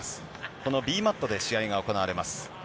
このＢマットで試合が行われます。